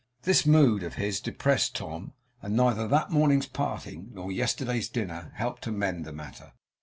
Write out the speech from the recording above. This mood of his depressed Tom; and neither that morning's parting, nor yesterday's dinner, helped to mend the matter.